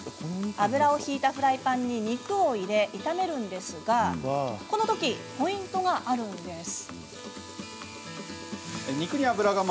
油を引いたフライパンに肉を入れ炒めるのですがこの時、ポイントがあるんです。